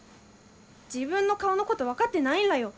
自分の顔のこと分かってないんらよ。